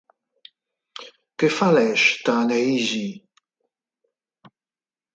Què fa l'eix, Ta-Nehisi?